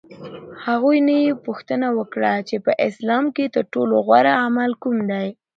هغوی نه یې پوښتنه وکړه چې په اسلام کې ترټولو غوره عمل کوم دی؟